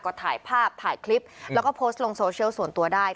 ก็ถ่ายภาพถ่ายคลิปแล้วก็โพสต์ลงโซเชียลส่วนตัวได้